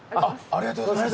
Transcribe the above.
ありがとうございます。